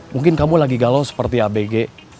mungkin kamu lagi galau seperti abg